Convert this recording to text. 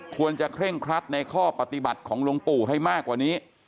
เคร่งครัดในข้อปฏิบัติของหลวงปู่ให้มากกว่านี้